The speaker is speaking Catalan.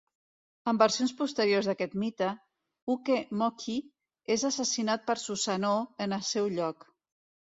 En versions posteriors d'aquest mite, Uke Mochi és assassinat per Susanoo en el seu lloc.